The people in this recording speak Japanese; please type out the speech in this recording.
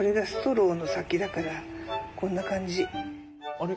あれ？